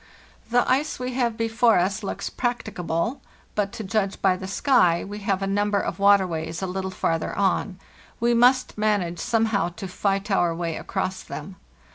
"The ice we have before us looks practicable, but, to judge by the sky, we have a number of water ways a little farther on; we must manage somehow to fight our way across them.